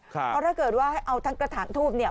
เพราะถ้าเกิดว่าให้เอาทั้งกระถางทูบเนี่ย